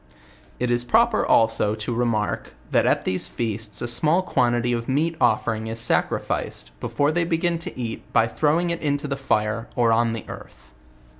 It is proper also to remark, that at these feasts a smell quantity of meat offering is sacrificed, before they begin to eat by throwing it into the fire, or on the earth.